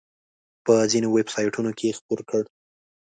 په ځینو ویب سایټونو کې یې خپور کړ.